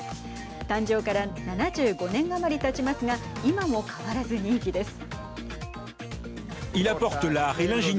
誕生から７５年余りたちますが今も変わらず人気です。